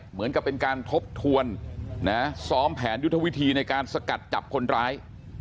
เหมือนกับเป็นการทบทวนซ้อมแผนยุทธวิธีในการสกัดจับคนร้าย